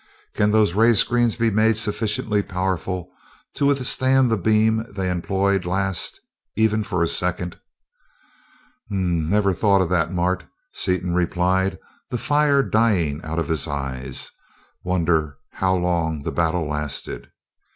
Can those ray screens be made sufficiently powerful to withstand the beam they employed last, even for a second?" "Hm ... m ... m. Never thought of that, Mart," Seaton replied, the fire dying out of his eyes. "Wonder how long the battle lasted?"